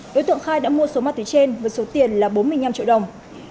đối tượng khai đã mua số ma túy trên với số tiền là bốn mươi năm triệu đồng